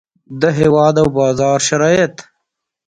د هیواد او د بازار شرایط.